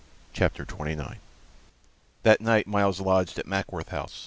CHAPTER 29 That night Myles lodged at Mackworth House.